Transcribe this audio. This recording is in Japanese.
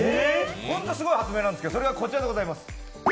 ホントすごい発明なんですけど、それがこちらでございます。